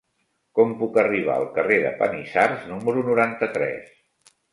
Com puc arribar al carrer de Panissars número noranta-tres?